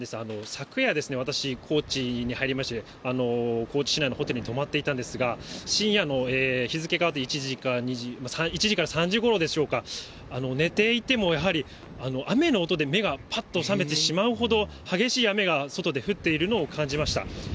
昨夜ですね、私、高知に入りまして、高知市内のホテルに泊まっていたんですが、深夜の日付変わって１時か２時、１時から３時ごろでしょうか、寝ていてもやはり雨の音で目がぱっと覚めてしまうほど、激しい雨が外で降っているのを感じました。